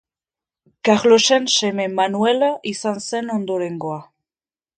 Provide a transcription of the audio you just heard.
Karlosen seme Manuel izan zen ondorengoa.